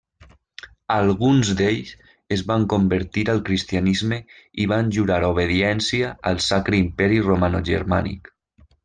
Alguns d'ells es van convertir al cristianisme i van jurar obediència al Sacre Imperi Romanogermànic.